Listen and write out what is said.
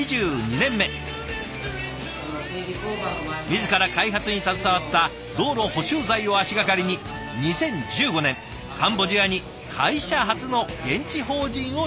自ら開発に携わった道路補修材を足掛かりに２０１５年カンボジアに会社初の現地法人を立ち上げました。